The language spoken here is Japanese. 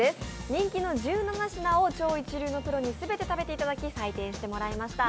人気の１７品を超一流のプロに全て食べていただき採点してもらいました。